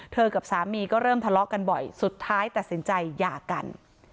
กับสามีก็เริ่มทะเลาะกันบ่อยสุดท้ายตัดสินใจหย่ากัน